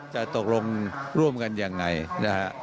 จะตกลงร่วมกันยังไงนะฮะ